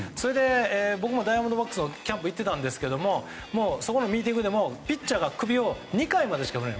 僕もダイヤモンドバックスのキャンプに行ってたんですがそこのミーティングでもピッチャーは首を２回しか振れない。